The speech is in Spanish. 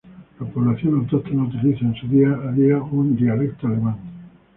La población autóctona utiliza en su día a día un dialecto alemán.